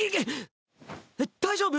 大丈夫？